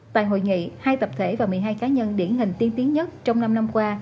tại hội nghị hai tập thể và một mươi hai cá nhân điển hình tiên tiến nhất trong năm năm qua